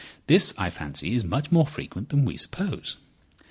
This, I fancy, is much more frequent than we suppose.